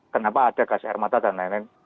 kenapa ada gas air mata dan lain lain